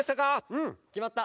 うんきまった。